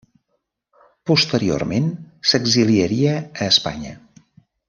Posteriorment s'exiliaria a Espanya.